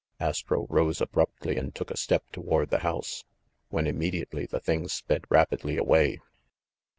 Astro rose abruptly and took a step toward the house, when immediately the thing sped rapidly away.